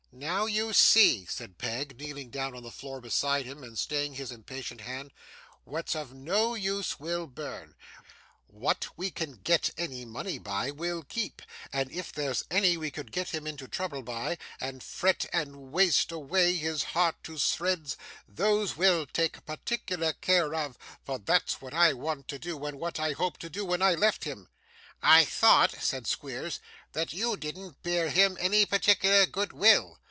'Now you see,' said Peg, kneeling down on the floor beside him, and staying his impatient hand; 'what's of no use we'll burn; what we can get any money by, we'll keep; and if there's any we could get him into trouble by, and fret and waste away his heart to shreds, those we'll take particular care of; for that's what I want to do, and what I hoped to do when I left him.' 'I thought,' said Squeers, 'that you didn't bear him any particular good will.